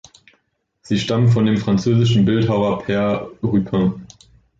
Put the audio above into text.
Sie stammen von dem französischen Bildhauer Pere Ruppin.